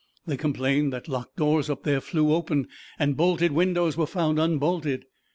They complained that locked doors up there flew open, and bolted windows were found unbolted.